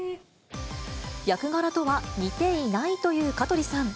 役柄とは似ていないという香取さん。